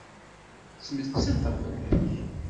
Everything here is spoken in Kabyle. Ttmettateɣ fell-ak.